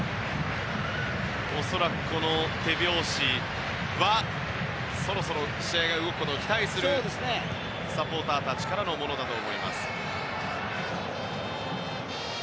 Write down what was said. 恐らく、この手拍子はそろそろ試合が動くことを期待するサポーターたちからのものだと思います。